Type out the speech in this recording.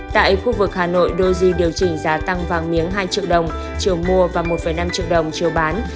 tại khu vực hà nội doji điều chỉnh giá tăng vàng miếng hai triệu đồng chiều mua và một năm triệu đồng chiều bán